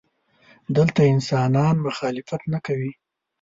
دلته انسانان مخالفت نه کوي.